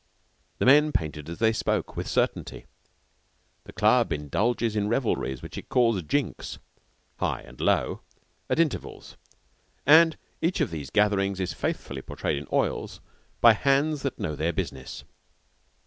The men painted as they spoke with certainty. The club indulges in revelries which it calls "jinks" high and low, at intervals and each of these gatherings is faithfully portrayed in oils by hands that know their business.